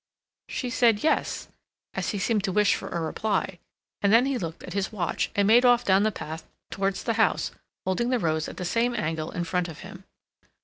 She said "Yes," as he seemed to wish for a reply, and then he looked at his watch, and made off down the path towards the house, holding the rose at the same angle in front of him.